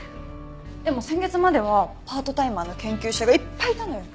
でも先月まではパートタイマーの研究者がいっぱいいたのよ。